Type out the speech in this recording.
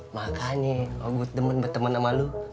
makanya lo gut temen berteman sama lu